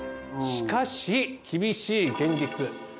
しかし厳しい現実。